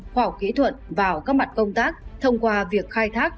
khoa học kỹ thuật vào các mặt công tác thông qua việc khai thác